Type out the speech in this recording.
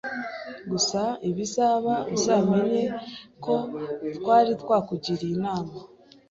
gusa ibizaba uzamenye ko twari twakugiriye inama